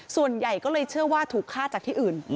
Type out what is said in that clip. ส่วนใหญ่ก็เลยเชื่อว่าถูกฆ่าจากที่อื่น